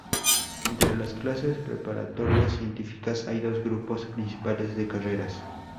Entre las clases preparatorias científicas hay dos grupos principales de carreras.